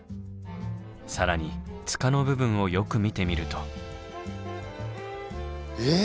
更に柄の部分をよく見てみると。え？